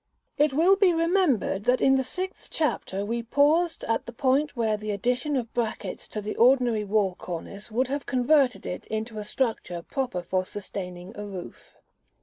§ I. It will be remembered that in the Sixth Chapter we paused (§ X.) at the point where the addition of brackets to the ordinary wall cornice would have converted it into a structure proper for sustaining a roof.